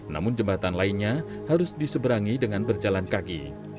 namun jembatan lainnya harus diseberangi dengan berjalan kaki